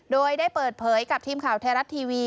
โดยได้เปิดเผยกับทีมข่าวไทยรัฐทีวี